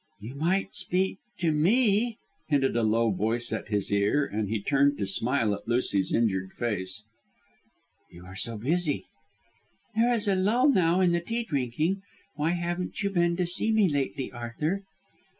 "You might speak to me," hinted a low voice at his ear, and he turned to smile at Lucy's injured face. "You are so busy." "There is a lull now in the tea drinking. Why haven't you been to see me lately, Arthur?"